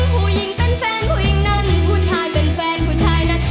ผู้หญิงเป็นแฟนผู้หญิงนั้นผู้ชายเป็นแฟนผู้ชายนั้น